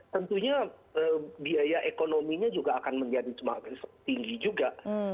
tentunya biaya ekonominya juga akan menjadi semakin tinggi juga